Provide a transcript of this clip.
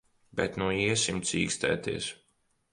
Bet nu iesim cīkstēties.